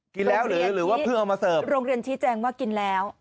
กินแล้วหรือหรือว่าเพิ่งเอามาเสิร์ฟโรงเรียนชี้แจงว่ากินแล้ว